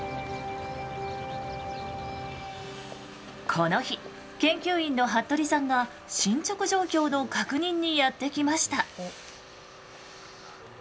この日研究員の服部さんが進捗状況の確認にやって来ました。